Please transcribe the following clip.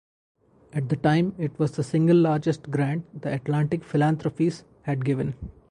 At the time, it was the single largest grant the Atlantic Philanthropies had given.